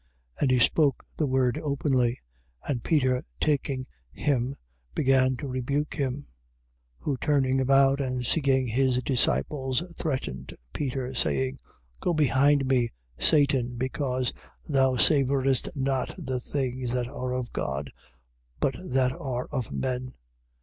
8:32. And he spoke the word openly. And Peter taking him began to rebuke him. 8:33. Who turning about and seeing his disciples, threatened Peter, saying: Go behind me, Satan, because thou savourest not the things that are of God but that are of men.